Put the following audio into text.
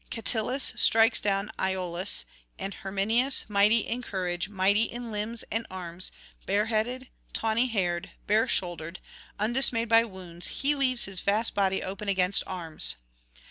Catillus strikes down Iollas, and Herminius mighty in courage, mighty in limbs and arms, bareheaded, tawny haired, bare shouldered; undismayed by wounds, he leaves his vast body open against arms.